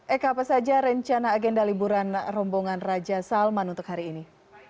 eka apa saja rencana agenda liburan rombongan raja salman untuk hari ini